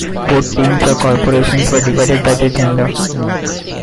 Both teams, or "corporations", were divided by their gender.